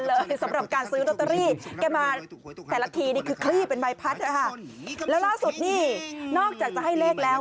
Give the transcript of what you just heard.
แล้วล่าสุดนี่นอกจากจะให้เลขแล้ว